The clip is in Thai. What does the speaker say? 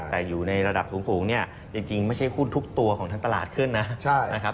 แต่อยู่ในระดับสูงเนี่ยจริงไม่ใช่หุ้นทุกตัวของทั้งตลาดขึ้นนะครับ